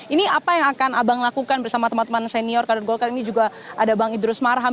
ini apa yang akan abang lakukan bersama teman teman senior kader golkar ini juga ada bang idrus marham